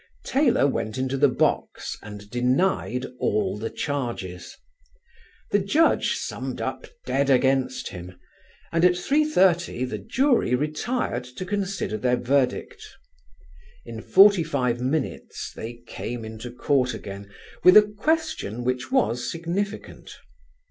Taylor went into the box and denied all the charges. The Judge summed up dead against him, and at 3.30 the jury retired to consider their verdict: in forty five minutes they came into court again with a question which was significant.